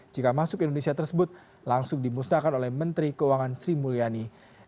jika masuk indonesia tersebut langsung dimusnahkan oleh menteri keuangan sri mulyani